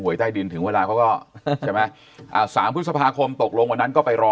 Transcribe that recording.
หวยใต้ดินถึงเวลาเขาก็สามพฤษภาคมตกลงวันนั้นก็ไปรอ